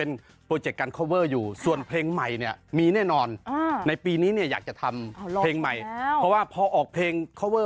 นอกจากเรื่องเพลงพี่บอกว่ามันมีการช่วยลงช่วยเหลือ